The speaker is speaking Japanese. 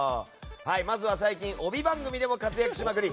まずは最近帯番組でも活躍しまくり